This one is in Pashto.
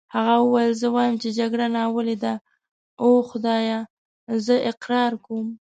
هغه وویل: زه وایم چې جګړه ناولې ده، اوه خدایه زه اقرار کوم.